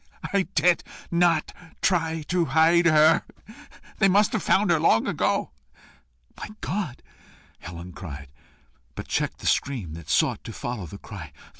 I did not try to hide her; they must have found her long ago." "My God!" cried Helen; but checked the scream that sought to follow the cry.